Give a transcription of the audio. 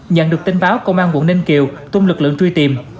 nhận được tin báo công an quận ninh kiều tung lực lượng truy tìm